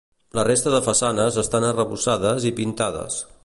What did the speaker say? La resta de façanes estan arrebossades i pintades.